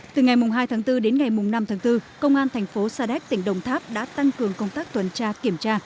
từ ngày hai tháng bốn đến ngày năm tháng bốn công an thành phố sa đéc tỉnh đồng tháp đã tăng cường công tác tuần tra kiểm tra